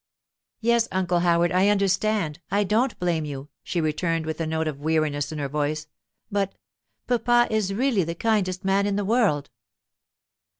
'Yes, Uncle Howard, I understand; I don't blame you,' she returned, with a note of weariness in her voice; 'but—papa is really the kindest man in the world.